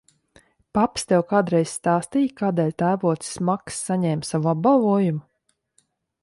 Paps tev kādreiz stāstīja, kādēļ tēvocis Maks saņēma savu apbalvojumu?